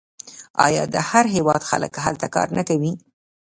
آیا د هر هیواد خلک هلته کار نه کوي؟